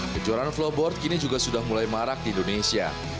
kejuaraan flowboard kini juga sudah mulai marak di indonesia